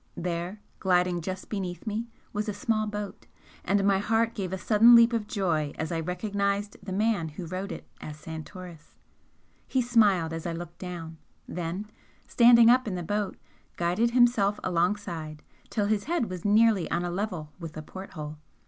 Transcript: There, gliding just beneath me, was a small boat, and my heart gave a sudden leap of joy as I recognised the man who rowed it as Santoris. He smiled as I looked down, then, standing up in the boat, guided himself alongside, till his head was nearly on a level with the port hole.